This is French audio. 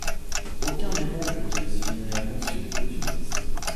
Aucun des ponts que James Finley a conçu ne subsiste.